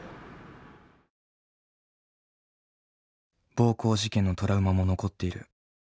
暴行事件のトラウマも残っている。